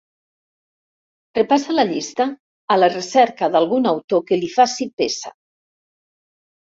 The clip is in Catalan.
Repassa la llista a la recerca d'algun autor que li faci peça.